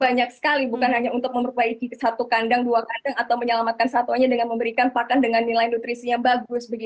banyak sekali bukan hanya untuk memperbaiki satu kandang dua kandang atau menyelamatkan satuannya dengan memberikan pakan dengan nilai nutrisinya bagus